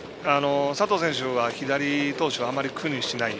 佐藤選手は左投手あまり苦にしない。